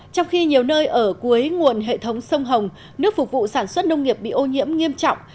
trong khi nhiều nơi ở cuối nguồn hệ thống sông hồng nước phục vụ sản xuất nông nghiệp bị ô nhiễm nghiêm trọng